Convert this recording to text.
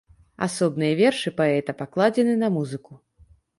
Асобныя вершы паэта пакладзены на музыку.